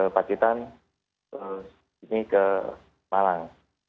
pacitan ke malang